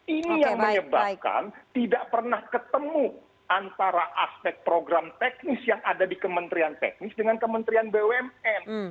ini yang menyebabkan tidak pernah ketemu antara aspek program teknis yang ada di kementerian teknis dengan kementerian bumn